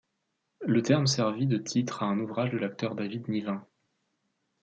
Le terme servit de titre à un ouvrage de l'acteur David Niven.